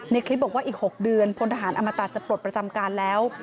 คลิปบอกว่าอีก๖เดือนพลทหารอมตะจะปลดประจำการแล้ว